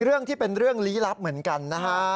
เรื่องที่เป็นเรื่องลี้ลับเหมือนกันนะฮะ